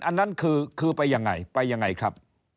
อันนั้นคือไปยังไงไปยังไงครับ